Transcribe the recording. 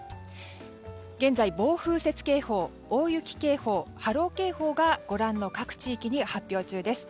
現在、暴風雪警報大雪警報、波浪警報がご覧の各地域に発表中です。